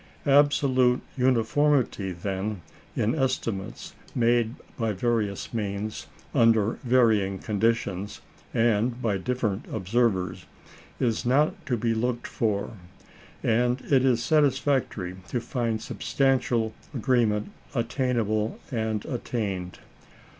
Absolute uniformity, then, in estimates made by various means, under varying conditions, and by different observers, is not to be looked for; and it is satisfactory to find substantial agreement attainable and attained.